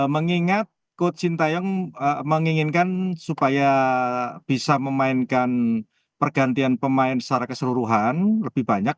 mengingat coach sintayong menginginkan supaya bisa memainkan pergantian pemain secara keseluruhan lebih banyak